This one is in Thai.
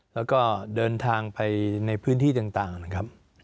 แล้วก็เดินทางไปในพื้นที่ต่างนะครับ